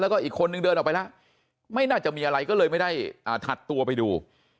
แล้วก็อีกคนนึงเดินออกไปแล้วไม่น่าจะมีอะไรก็เลยไม่ได้ถัดตัวไปดู